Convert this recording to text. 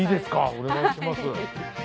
お願いします。